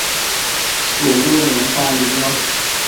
shubu nuntambi niosh